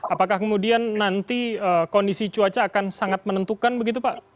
apakah kemudian nanti kondisi cuaca akan sangat menentukan begitu pak